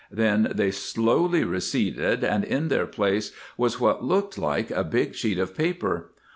Then they slowly receded and in their place was what looked like a big sheet of paper.